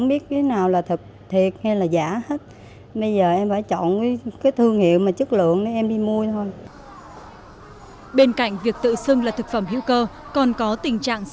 bên cạnh việc tự xưng là thực phẩm hữu cơ còn có tình trạng sử dụng